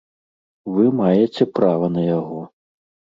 Вы маеце права на яго.